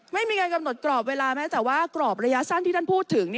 ไม่มีการกำหนดกรอบเวลาแม้แต่ว่ากรอบระยะสั้นที่ท่านพูดถึง